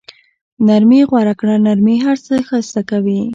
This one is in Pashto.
نرمي غوره کړه، نرمي هر څه ښایسته کوي.